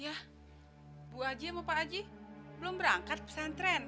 ya bu haji sama pak haji belum berangkat pesantren